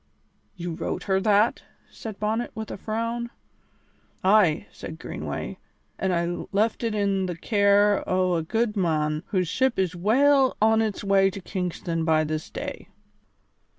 "You wrote her that?" said Bonnet, with a frown. "Ay," said Greenway, "an' I left it in the care o' a good mon, whose ship is weel on its way to Kingston by this day."